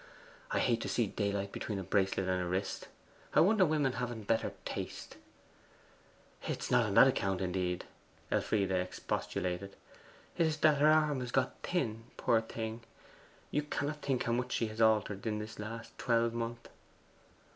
I hate to see daylight between a bracelet and a wrist; I wonder women haven't better taste.' 'It is not on that account, indeed,' Elfride expostulated. 'It is that her arm has got thin, poor thing. You cannot think how much she has altered in this last twelvemonth.